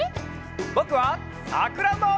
ぼくはさくらんぼ！